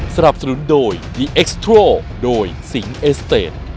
ก็คือชีวิต